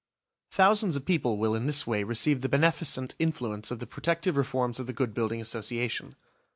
Thousands of people will in this way receive the beneficent influence of the protective reforms of the Good Building Association.